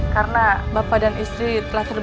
karena bapak dan istri telah terbukti lalai menjaga rena